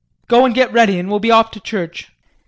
Go and get ready and we'll be off to church.